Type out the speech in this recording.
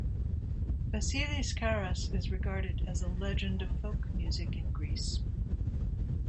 Vasilis Karras is regarded as a legend of folk music in Greece.